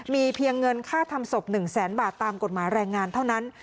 มีเพียงเงินค่าทำศพ๑แสนบาทตามกฎหมายแรงงานเท่านั้น